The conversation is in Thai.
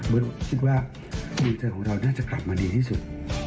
เวิร์ดคิดว่ามือเจ้าของเราน่าจะกลับมาดีที่สุด